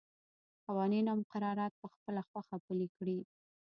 قوانین او مقررات په خپله خوښه پلي کړي.